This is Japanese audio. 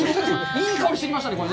いい香りしてきましたね。